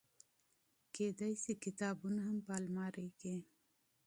شايد کتابونه هم په المارۍ کې